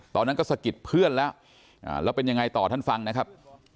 ตอนนั้นก็สะกิดเพื่อนแล้วแล้วเป็นยังไงต่อท่านฟังนะครับ